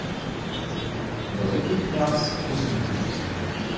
Великий князь усміхнувся: